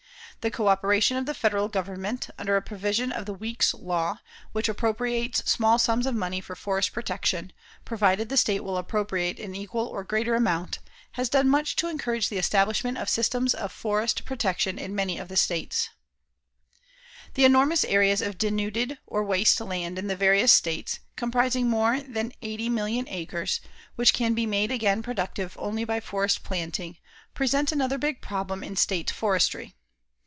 The coöperation of the Federal Government, under a provision of the Weeks Law which appropriates small sums of money for forest protection, provided the state will appropriate an equal or greater amount, has done much to encourage the establishment of systems of forest protection in many of the states. [Illustration: SOWING FOREST SEED IN AN EFFORT TO GROW A NEW FOREST] The enormous areas of denuded, or waste land in the various states, comprising more than 80,000,000 acres, which can be made again productive only by forest planting, present another big problem in state forestry.